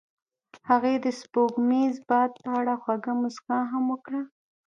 هغې د سپوږمیز باد په اړه خوږه موسکا هم وکړه.